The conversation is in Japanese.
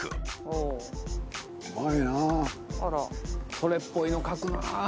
それっぽいの描くなぁ。